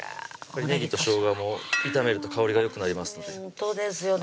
ねぎとしょうがも炒めると香りがよくなりますのでほんとですよね